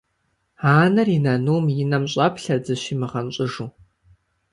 Анэр и нанум и нэм щӀэплъэрт, зыщимыгъэнщӀыжу.